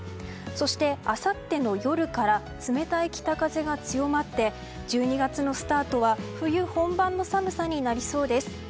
そして、あさっての夜から冷たい北風が強まって１２月のスタートは冬本番の寒さになりそうです。